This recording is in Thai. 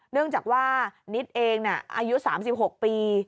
เนื่องจากว่านิดเองอายุ๓๖ปี